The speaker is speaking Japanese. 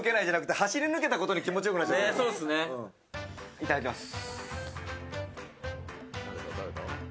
いただきます。